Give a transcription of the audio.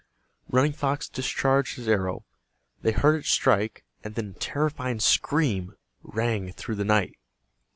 Running Fox discharged his arrow. They heard it strike, and then a terrifying scream rang through the night.